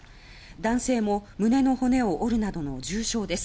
男性も胸の骨を折るなどの重傷です。